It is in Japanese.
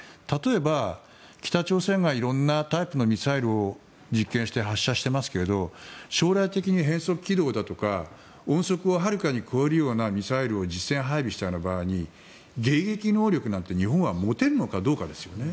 例えば、北朝鮮が色んなタイプのミサイルを実験して発射してますが将来的に変則軌道だとか音速をはるかに超えるようなミサイルを実戦配備したような場合に迎撃能力なんて日本は持てるのかどうかですよね。